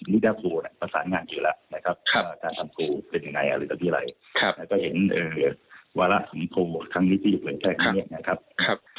ในการที่เราไปทำโทตอนนี้นะ